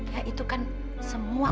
ya itu kan semua